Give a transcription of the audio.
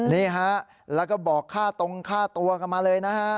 นี่ฮะแล้วก็บอกค่าตรงค่าตัวกันมาเลยนะฮะ